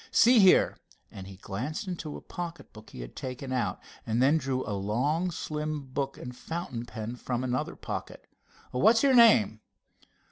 "See, here," and he glanced into a pocket book he had taken out, and then drew a long slim book and a fountain pen from another pocket, "what's your name?"